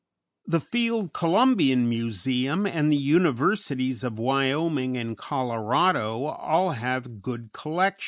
The Field Columbian Museum and the Universities of Wyoming and Colorado all have good collections.